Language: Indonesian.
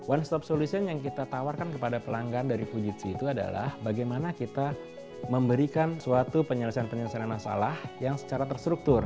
one stop solution yang kita tawarkan kepada pelanggan dari fujitsu itu adalah bagaimana kita memberikan suatu penyelesaian penyelesaian masalah yang secara terstruktur